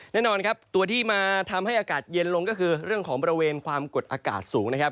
แน่นอนครับตัวที่มาทำให้อากาศเย็นลงก็คือเรื่องของบริเวณความกดอากาศสูงนะครับ